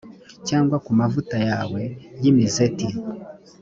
cyangwa ku mavuta yawe y’imizeti,